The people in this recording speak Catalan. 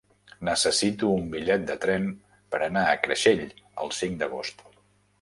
Necessito un bitllet de tren per anar a Creixell el cinc d'agost.